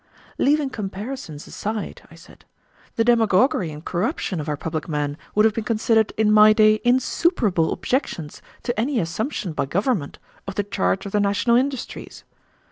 "Leaving comparisons aside," I said, "the demagoguery and corruption of our public men would have been considered, in my day, insuperable objections to any assumption by government of the charge of the national industries.